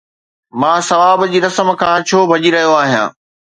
مان ثواب جي رسم کان ڇو ڀڄي رهيو آهيان!